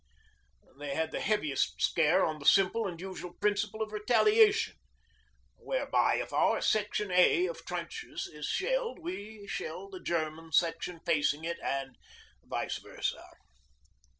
They had the heaviest share on the simple and usual principle of retaliation, whereby if our Section A of trenches is shelled we shell the German section facing it, and vice versa.